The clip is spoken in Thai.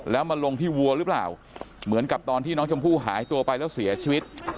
แล้วมาลงที่วัวหรือเปล่าเหมือนกับตอนที่น้องชมพู่หายตัวไปแล้วเสียชีวิต